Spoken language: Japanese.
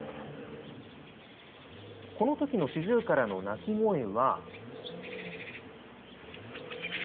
このときのシジュウカラの鳴き声は。